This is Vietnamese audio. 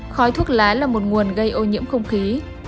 khói thuốc lá là một nguồn gây ô nhiễm không khí